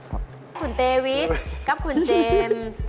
ครับคุณเตวิทครับคุณเจมส์